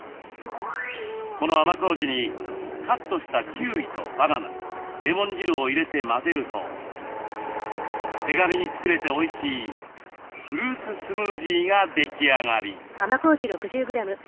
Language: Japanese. この甘こうじにカットしたキウイとバナナレモン汁を入れて混ぜると手軽に作れておいしいフルーツスムージーが出来上がり。